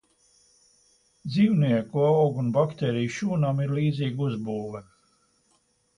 Dzīvnieku, augu un baktēriju šūnām ir līdzīga uzbūve.